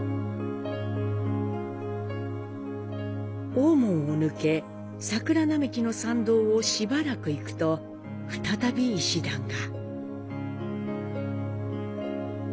大門を抜け桜並木の参道をしばらく行くと再び石段が。